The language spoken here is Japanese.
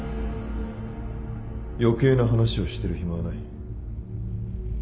余計な話をしてる暇はない。